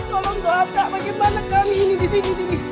tolong doa tak bagaimana kami di sini